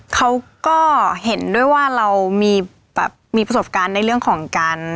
เขาก็เห็นด้วยว่าเรามีแบบมีประสบการณ์ในเรื่องของการ